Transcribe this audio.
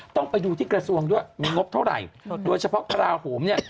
ต้องไปดูที่กระทรวงด้วยมีงบเท่าไหร่โดยเฉพาะกระลาโหมเนี่ย